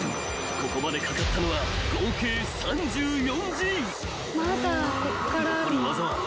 ［ここまでかかったのは合計３４Ｇ］